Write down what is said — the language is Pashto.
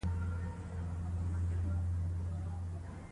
رنګ ئې تغير کړی تورېږي، دمېنی درد ئې دزړګي مات کړل برجونه